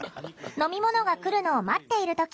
飲み物が来るのを待っている時